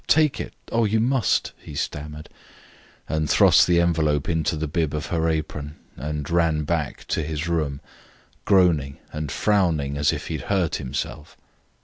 "Take it; oh, you must!" he stammered, and thrust the envelope into the bib of her apron and ran back to his room, groaning and frowning as if he had hurt himself.